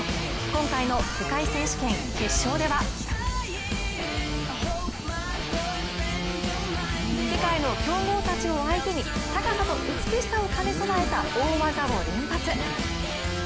今回の世界選手権決勝では世界の強豪たちを相手に高さと美しさを兼ね備えた大技を連発。